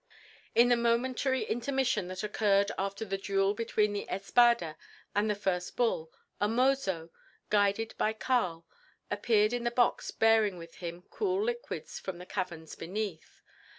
In the momentary intermission that occurred after the duel between the espada and the first bull, a mozo, guided by Karl, appeared in the box bearing with him cool liquids from the caverns beneath.